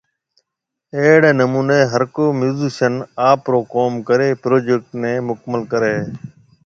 اھڙي نموني ھرڪو ميوزشن آپرو ڪوم ڪري پروجيڪٽ ني مڪمل ڪري ھيَََ